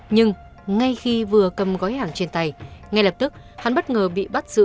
nhưng ngay khi vừa cầm gói hàng trên tay ngay lập tức hắn bất ngờ bị bắt giữ